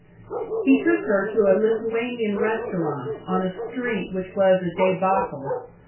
He took her to a Lithuanian restaurant, on a street which was a débâcle.